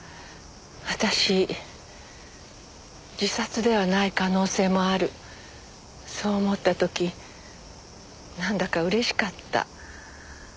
私自殺ではない可能性もあるそう思った時なんだかうれしかった。